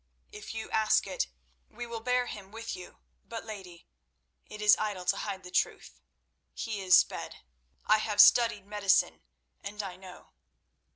If you ask it, we will bear him with you; but, lady, it is idle to hide the truth—he is sped. I have studied medicine, and I know."